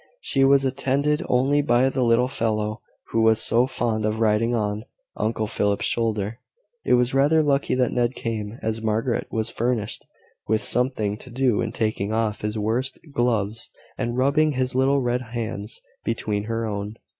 She was attended only by the little fellow who was so fond of riding on Uncle Philip's shoulder. It was rather lucky that Ned came, as Margaret was furnished with something to do in taking off his worsted gloves, and rubbing his little red hands between her own.